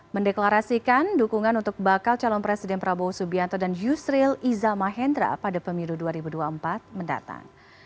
mendeklarasikan dukungan untuk bakal calon presiden prabowo subianto dan yusril iza mahendra pada pemilu dua ribu dua puluh empat mendatang